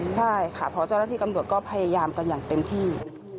ใช่ค่ะเพราะเจ้าหน้าที่ตำรวจก็พยายามกันอย่างเต็มที่